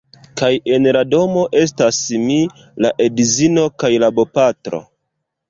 Kaj en la domo estas mi, la edzino kaj la bopatro.